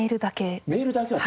メールだけはい。